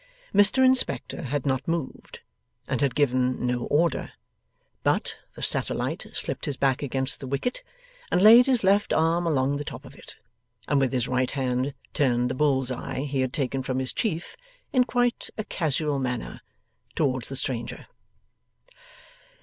Mr Inspector had not moved, and had given no order; but, the satellite slipped his back against the wicket, and laid his left arm along the top of it, and with his right hand turned the bull's eye he had taken from his chief in quite a casual manner towards the stranger.